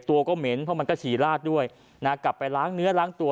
ตัวก็เหม็นเพราะมันก็ฉี่ลาดด้วยนะกลับไปล้างเนื้อล้างตัว